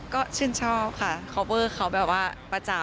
ก็ชื่นชอบค่ะคอปเวอร์เขาแบบว่าประจำ